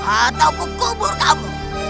ataupun kubur kamu